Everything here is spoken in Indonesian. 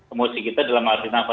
emosi kita dalam artian apa